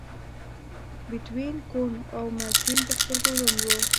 بیتووین کوڼ و او ملټن په سترګو ړوند و